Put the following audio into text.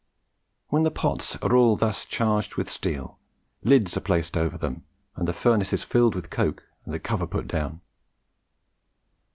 When the pots are all thus charged with steel, lids are placed over them, the furnace is filled with coke, and the cover put down.